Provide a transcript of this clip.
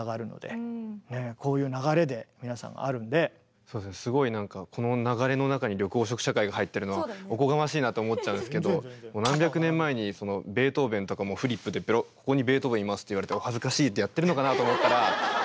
いやいやでもすごいなんかこの流れの中に緑黄色社会が入ってるのはおこがましいなと思っちゃうんですけど何百年前にベートーベンとかもフリップでベロッ「ここにベートーベンいます」って言われて「お恥ずかしい」ってやってるのかなと思ったら。